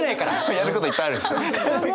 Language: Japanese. やることいっぱいあるんです。